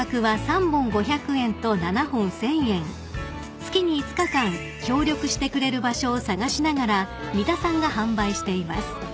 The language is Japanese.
［月に５日間協力してくれる場所を探しながら三田さんが販売しています］